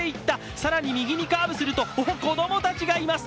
更に右にカーブすると、子供たちがいます。